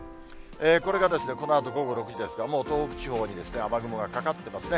これがですね、このあと午後６時ですが、もう東北地方に雨雲がかかってますね。